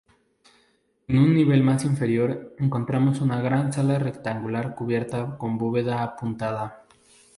En un nivel más inferior, encontramos una gran sala rectangular cubierta con bóveda apuntada.